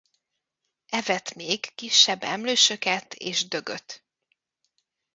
Evett még kisebb emlősöket és dögöt.